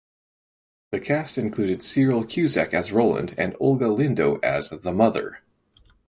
The cast included Cyril Cusack as Roland and Olga Lindo as The Mother.